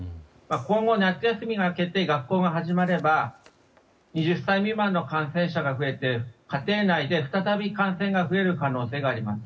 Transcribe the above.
今後、夏休みが明けて学校が始まれば２０歳未満の感染者が増えて家庭内で、再び感染が増える可能性があります。